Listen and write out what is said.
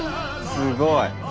すごい。